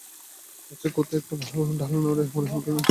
কাছে কোথায় একটা ডাল নড়ে, মনে হয় দূরে যেন কে ছুটে পালাচ্ছে।